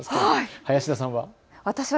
林田さんは？